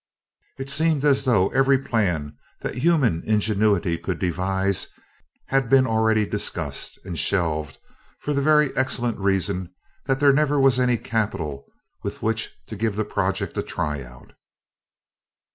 It seemed as though every plan that human ingenuity could devise had been already discussed, and shelved for the very excellent reason that there never was any capital with which to give the projects a try out.